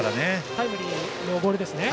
タイムリーのボールですね。